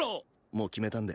もう決めたんで。